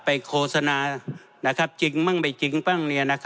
โฆษณาจริงมั่งไม่จริงบ้าง